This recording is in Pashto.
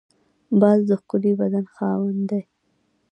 باز د ښکلي بدن خاوند دی